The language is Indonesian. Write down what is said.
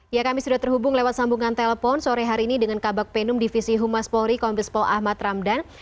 ya kami sudah terhubung lewat sambungan telepon sore hari ini dengan kabak penum divisi humas polri kombes pol ahmad ramdan